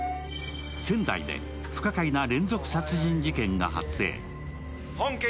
仙台で不可解な連続殺人事件が発生。